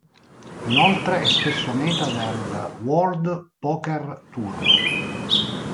Inoltre è spesso meta del World Poker Tour.